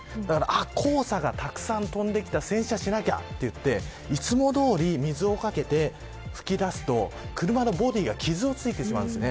黄砂がたくさん飛んできて洗車しなきゃといっていつもどおり水をかけて拭きだすと車のボディに傷がついてしまいます。